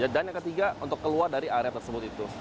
dan yang ketiga untuk keluar dari area tersebut itu